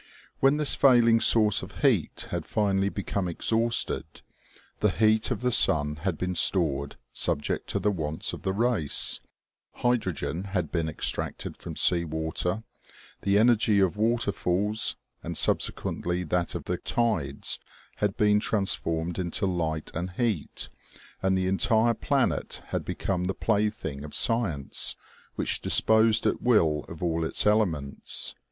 When this failing source of heat had finally become exhausted, the heat of the sun had been stored subject to the wants of the race, hydrogen had been ex tracted from sea water, the energy of waterfalls, and sub sequently that of the tides, had been transformed into light and heat, and the entire planet had become the plaything of science, which disposed at will of all its elements.